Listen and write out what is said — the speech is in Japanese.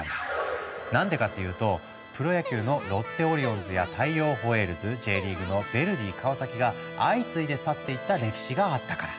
何でかっていうとプロ野球のロッテオリオンズや大洋ホエールズＪリーグのヴェルディ川崎が相次いで去っていった歴史があったから。